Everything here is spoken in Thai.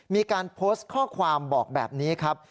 มีการโพสต์ข้อความบอกแบบนี้ครับ